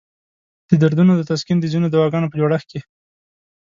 د دردونو د تسکین د ځینو دواګانو په جوړښت کې.